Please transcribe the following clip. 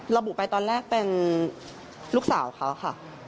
ระบุไปตอนแรกเป็นลูกสาวเขาค่ะ